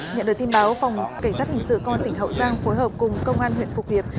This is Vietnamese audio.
nhận được tin báo phòng cảnh sát hình sự công an tỉnh hậu giang phối hợp cùng công an huyện phục hiệp